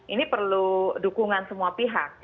ini perlu dukungan semua pihak